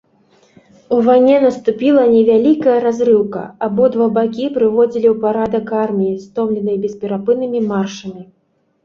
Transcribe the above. У вайне наступіла невялікая разрыўка, абодва бакі прыводзілі ў парадак арміі, стомленыя бесперапыннымі маршамі.